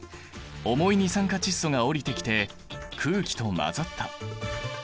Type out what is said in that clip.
重い二酸化窒素が下りてきて空気と混ざった。